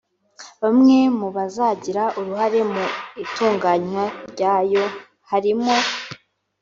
Bamwe mu bazagira uruhare mu itunganywa ryayo harimo